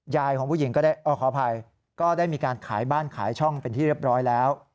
ของผู้หญิงก็ได้ขออภัยก็ได้มีการขายบ้านขายช่องเป็นที่เรียบร้อยแล้ว